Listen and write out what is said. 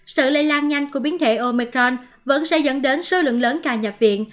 sự lây lan nhanh của biến thể omicron vẫn sẽ dẫn đến số lượng lớn ca nhập viện